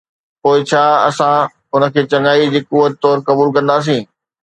پوءِ ڇا اسان ان کي چڱائي جي قوت طور قبول ڪنداسين؟